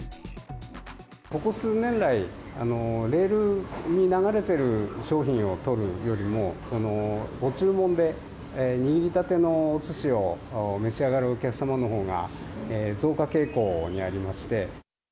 ここ数年来、レールに流れている商品を取るよりも、ご注文で握りたてのおすしを召し上がるお客様のほうが増加傾向にありまして。